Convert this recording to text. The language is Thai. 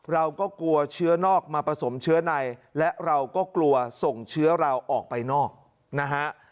เราก็กลัวเชื้อนอกมาผสมเชื้อในและเราก็กลัวส่งเชื้อเราออกไปนอกนะฮะ